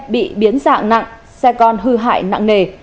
bị biến dạng nặng xe con hư hại nặng nề